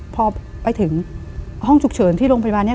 พอไปถึงห้องฉุกเฉินที่โรงพยาบาลนี้